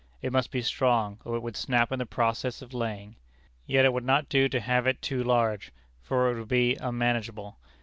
It must be strong, or it would snap in the process of laying. Yet it would not do to have it too large, for it would be unmanageable.